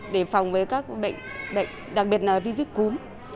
để phòng với các bệnh đặc biệt là vi dụng cúm